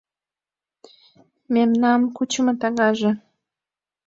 Мемнан кучымо таҥнаже